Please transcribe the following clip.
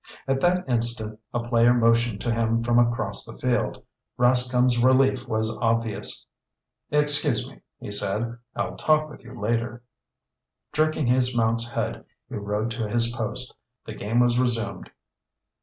At that instant a player motioned to him from across the field. Rascomb's relief was obvious. "Excuse me," he said, "I'll talk with you later." Jerking his mount's head, he rode to his post. The game was resumed.